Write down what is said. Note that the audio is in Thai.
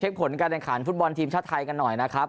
เช็คผลการในขาดฝุ่นบอลทีมชาติไทยกันหน่อยนะครับ